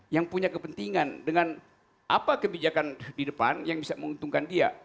yang punya kepentingan dengan apa kebijakan di depan yang bisa menguntungkan dia